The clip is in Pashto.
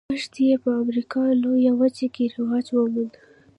کښت یې په امریکا لویه وچه کې رواج وموند.